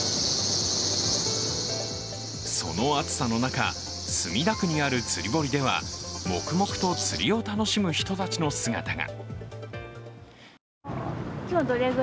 その暑さの中、墨田区にある釣堀では黙々と釣りを楽しむ人たちの姿が。